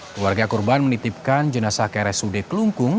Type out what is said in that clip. keluarga korban menitipkan jenazah ke rsud kelungkung